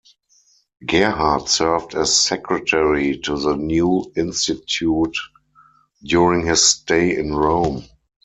Gerhard served as secretary to the new Institute during his stay in Rome.